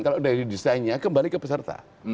kalau dari desainnya kembali ke peserta